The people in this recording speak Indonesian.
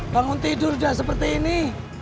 bangun tidur udah seperti ini